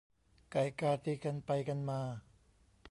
ไก่กาตีกันไปกันมา